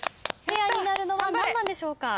ペアになるのは何番でしょうか？